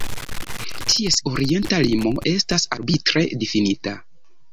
Ties orienta limo estas arbitre difinita.